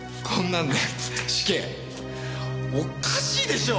おっかしいでしょ？